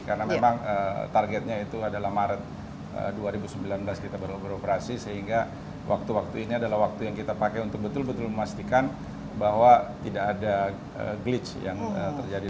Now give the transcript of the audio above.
karena memang targetnya itu adalah maret dua ribu sembilan belas kita baru beroperasi sehingga waktu waktu ini adalah waktu yang kita pakai untuk betul betul memastikan bahwa tidak ada glitch yang terjadi